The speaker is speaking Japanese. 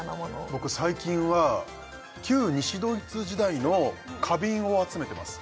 僕最近は旧西ドイツ時代の花瓶を集めてます